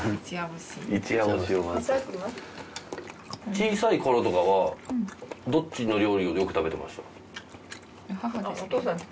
小さい頃とかはどっちの料理をよく食べてました？